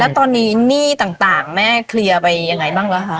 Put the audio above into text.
แล้วตอนนี้หนี้ต่างแม่เคลียร์ไปยังไงบ้างแล้วคะ